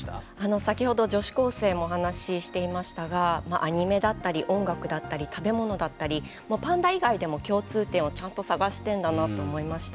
先ほど女子高生もお話ししていましたがアニメだったり音楽だったり食べ物だったりパンダ以外でも共通点をちゃんと探しているんだなと思いました。